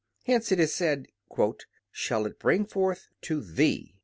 Hence it is said: "Shall it bring forth _to thee."